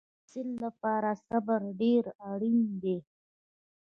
د محصل لپاره صبر ډېر اړین دی.